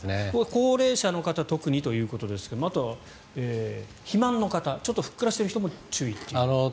高齢者の方は特にということですがあとは肥満の方ちょっとふっくらしている方も注意ということですね。